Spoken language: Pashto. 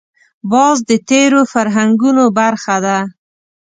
باز د تېرو فرهنګونو برخه ده